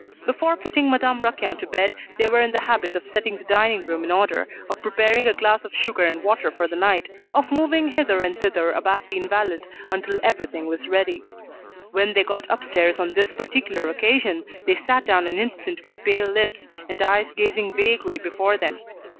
Before putting Madame Raquin to bed they were in the habit of setting the dining room in order, of preparing a glass of sugar and water for the night, of moving hither and thither about the invalid, until everything was ready. When they got upstairs on this particular occasion, they sat down an instant with pale lips, and eyes gazing vaguely before them.